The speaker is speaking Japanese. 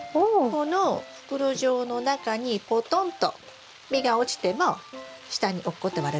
この袋状の中にポトンと実が落ちても下に落っこって割れることがありません。